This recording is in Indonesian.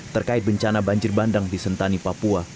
terkait bencana banjir bandang di sentani papua